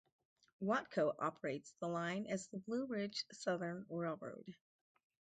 Watco operates the line as the Blue Ridge Southern Railroad.